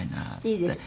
いいです。